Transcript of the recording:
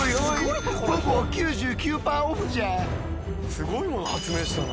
すごいもの発明したな。